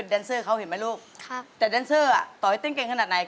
แดนเซอร์เขาเห็นไหมลูกแต่แดนเซอร์อ่ะต่อให้เต้นเก่งขนาดไหน